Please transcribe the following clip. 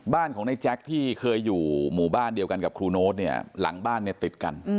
บ้านของนายแจ๊คที่เคยอยู่หมู่บ้านเดียวกับครูโน้ตหลังบ้านติดกัน